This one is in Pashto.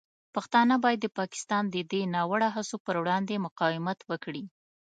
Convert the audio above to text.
پښتانه باید د پاکستان د دې ناوړه هڅو پر وړاندې مقاومت وکړي.